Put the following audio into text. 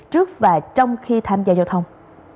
trước và trong khi tham gia giao thông